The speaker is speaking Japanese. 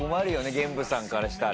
ゲンブさんからしたら。